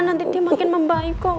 nanti dia makin membaik kok